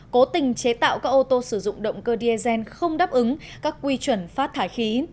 cố tình chế tạo các ô tô sử dụng động cơ diesel không đáp ứng các quy chuẩn phát thải khí